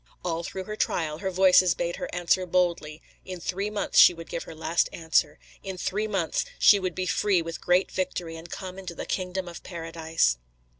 All through her trial, her Voices bade her answer boldly, in three months she would give her last answer, in three months "she would be free with great victory, and come into the Kingdom of Paradise."